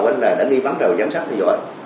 anh là đã ghi ban đầu giám sát thì giỏi